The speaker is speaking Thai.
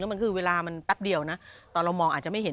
มันคือเวลามันแป๊บเดียวนะตอนเรามองอาจจะไม่เห็น